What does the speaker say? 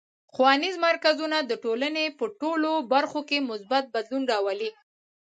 ښوونیز مرکزونه د ټولنې په ټولو برخو کې مثبت بدلون راولي.